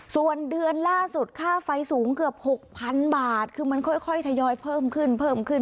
ส่วนเดือนล่าสุดค่าไฟสูงเกือบหกพันบาทคือมันค่อยค่อยทยอยเพิ่มขึ้น